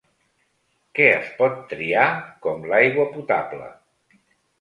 Que es pot triar, com l'aigua potable.